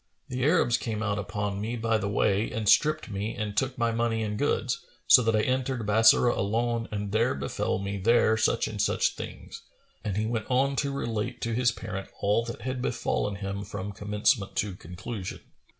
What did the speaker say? The Arabs came out upon me by the way and stripped me and took my money and goods, so that I entered Bassorah alone and there befel me there such and such things;" and he went on to relate to his parent all that had befallen him from commencement to conclusion.